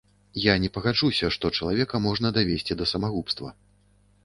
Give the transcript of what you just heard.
Я не пагаджуся, што чалавека можна давесці да самагубства.